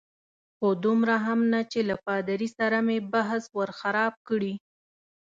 خو دومره هم نه چې له پادري سره مې بحث ور خراب کړي.